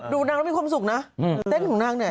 นางแล้วมีความสุขนะเต้นของนางเนี่ย